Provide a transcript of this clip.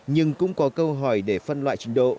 nhưng cũng có câu hỏi để phân loại trình độ